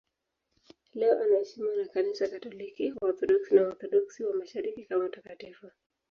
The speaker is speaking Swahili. Leo anaheshimiwa na Kanisa Katoliki, Waorthodoksi na Waorthodoksi wa Mashariki kama mtakatifu.